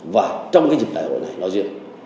và trong cái dịp đại hội này nói riêng